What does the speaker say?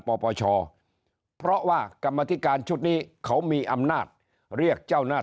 ปปชเพราะว่ากรรมธิการชุดนี้เขามีอำนาจเรียกเจ้าหน้าที่